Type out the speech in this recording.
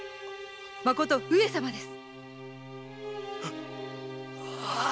まこと上様です。